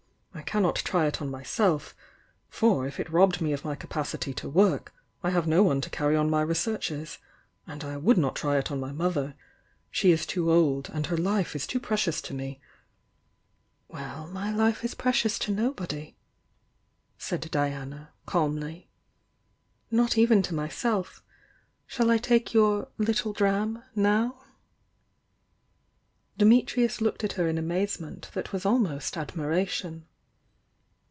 I cannot try it on myself — for if it robbed me of my capacity to work, I have no one to carry on my researches, — and I would not try it on my mother, — she is too old, and her life is too precious to me " "Well, my life is precious to nobody." said Diana, calmly. "Not even to myself. Shall I take your 'little dram' now?" Dimitrius looked at her in amazement that was almost admiration.